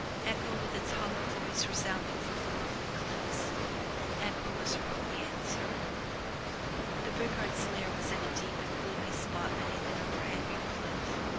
Echo with its hollow voice resounding from the lonely cliffs, — echo was her only answer. Z77 MY BOOK HOUSE The brigands' lair was in a dark and gloomy spot beneath an overhanging cliff.